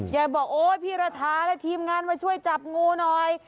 ยายบอกโอ๊ยพี่ระทาและทีมงานมาช่วยจับงูหน่อย